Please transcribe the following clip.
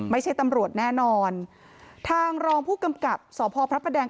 ไม่ใช่ตำรวจแน่นอนทางรองผู้กำกับสพพระประแดง